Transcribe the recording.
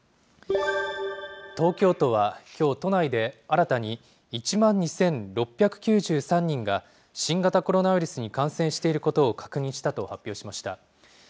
東京都はきょう、都内で新たに１万２６９３人が、新型コロナウイルスに感染していることを確認したと発表しました。